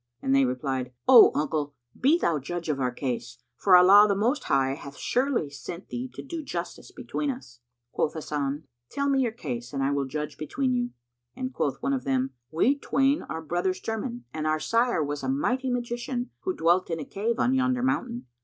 and they replied, "O uncle, be thou judge of our case, for Allah the Most High hath surely sent thee to do justice between us." Quoth Hasan, "Tell me your case, and I will judge between you;" and quoth one of them, "We twain are brothers german and our sire was a mighty magician, who dwelt in a cave on yonder mountain.